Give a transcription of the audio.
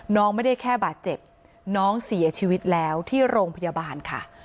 น้องไม่ได้แค่บาดเจ็บน้องเสียชีวิตแล้วที่โรงพยาบาลค่ะ